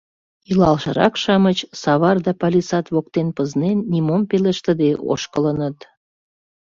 Илалшырак-шамыч, савар да палисад воктен пызнен, нимом пелештыде ошкылыныт.